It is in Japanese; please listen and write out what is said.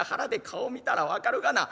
顔見たら分かるがな。